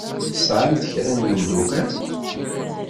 Tesɛamt kra n yemddukal?